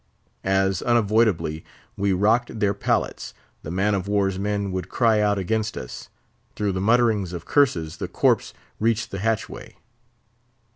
As, unavoidably, we rocked their pallets, the man of war's men would cry out against us; through the mutterings of curses, the corpse reached the hatchway.